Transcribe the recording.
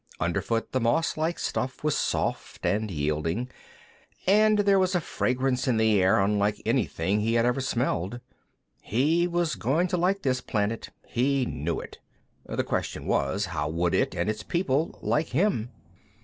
Underfoot, the mosslike stuff was soft and yielding, and there was a fragrance in the air unlike anything he had ever smelled. He was going to like this planet; he knew it. The question was, how would it, and its people, like him?